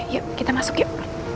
yuk kita masuk yuk